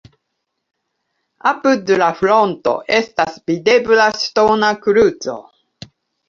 Apud la fronto estas videbla ŝtona kruco.